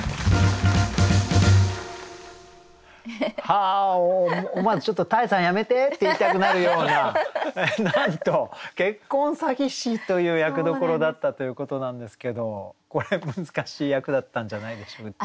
は思わずちょっと多江さんやめて！って言いたくなるようななんと結婚詐欺師という役どころだったということなんですけどこれ難しい役だったんじゃないでしょう？